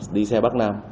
đi xe bắc nam